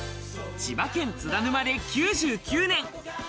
千葉県津田沼で９９年。